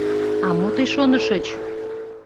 — А-мо тый шонышыч.